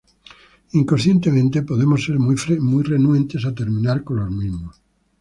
Inconscientemente, podemos ser muy renuentes a terminar con los mismos.